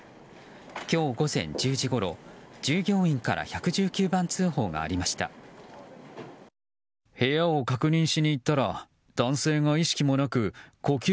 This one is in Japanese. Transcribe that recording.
今日午前１０時ごろ、従業員から１１９番通報がありました。